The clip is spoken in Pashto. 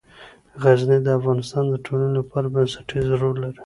غزني د افغانستان د ټولنې لپاره بنسټيز رول لري.